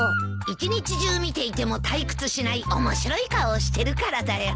一日中見ていても退屈しない面白い顔をしてるからだよ。